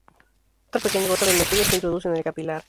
Otra pequeña gota de mercurio se introduce en el capilar.